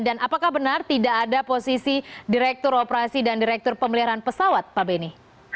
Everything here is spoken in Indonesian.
dan apakah benar tidak ada posisi direktur operasi dan direktur pemeliharaan pesawat pak benny